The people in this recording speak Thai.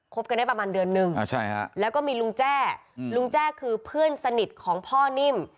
กันได้ประมาณเดือนนึงแล้วก็มีลุงแจ้ลุงแจ้คือเพื่อนสนิทของพ่อนิ่ม